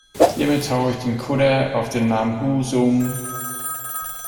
Hiermit taufe ich den Kutter auf den Namen Husum.